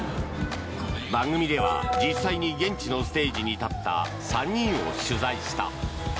番組では実際に現地のステージに立った３人を取材した。